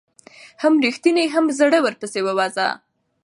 هم ريښتونى هم زړه ور ورپسي ووزه